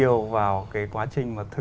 nửa phần nửa phần nửa phần nửa phần